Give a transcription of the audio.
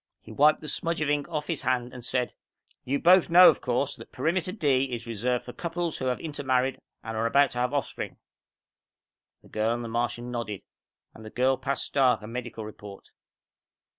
He wiped the smudge of ink off his hand and said, "You both know, of course, that Perimeter D is reserved for couples who have intermarried and are about to have offspring?" The girl and the Martian nodded, and the girl passed Stark a medical report.